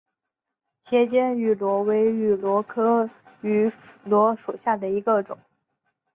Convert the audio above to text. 斜肩芋螺为芋螺科芋螺属下的一个种。